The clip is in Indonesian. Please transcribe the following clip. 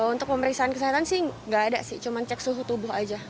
untuk pemeriksaan kesehatan sih nggak ada sih cuma cek suhu tubuh aja